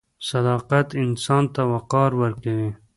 • صداقت انسان ته وقار ورکوي.